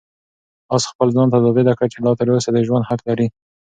آس خپل ځان ته ثابته کړه چې لا تر اوسه د ژوند حق لري.